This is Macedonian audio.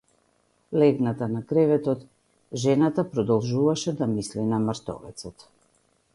Легната на креветот жената продолжуваше да мисли на мртовецот.